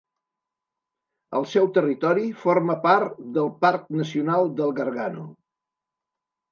El seu territori forma part del Parc Nacional del Gargano.